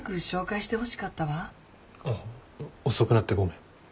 遅くなってごめん。